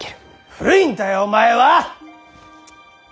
古いんだよお前は！